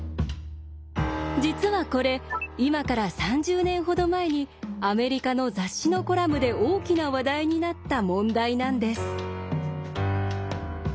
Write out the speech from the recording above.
実はこれ今から３０年ほど前にアメリカの雑誌のコラムで大きな話題になった問題なんです。